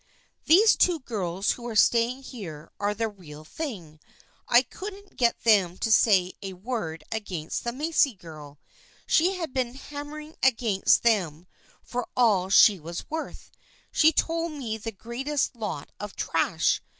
" Those two girls who are staying here are the real thing. I couldn't get them to say a word against the Macy girl. She had been hammering against them for all she was worth. She told me the greatest lot of trash.